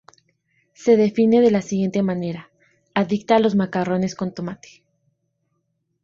Se define de la siguiente manera: "Adicta a los macarrones con tomate.